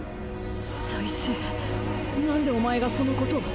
再生なんでお前がそのことを。